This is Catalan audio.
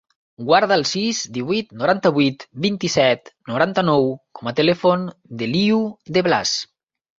Guarda el sis, divuit, noranta-vuit, vint-i-set, noranta-nou com a telèfon de l'Iu De Blas.